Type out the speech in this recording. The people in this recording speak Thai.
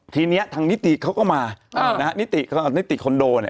ทีนี้ทางนิติเขาก็มานิตินิติคอนโดเนี่ย